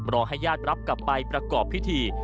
ให้ญาติรับกลับไปประกอบพิธี